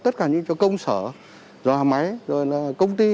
tất cả những công sở máy công ty